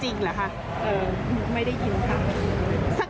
แบบหนูตาไวอะไรอย่างนี้ค่ะ